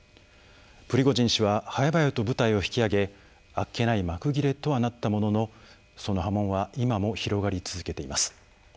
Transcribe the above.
プリゴジン氏は早々と部隊を引き揚げあっけない幕切れとはなったものの、その波紋は今も広がり続けています。